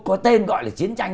có tên gọi là chiến tranh